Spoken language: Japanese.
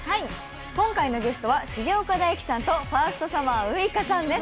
今回のゲストは重岡大毅さんとファーストサマーウイカさんです。